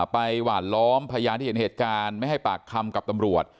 หวานล้อมพยานที่เห็นเหตุการณ์ไม่ให้ปากคำกับตำรวจ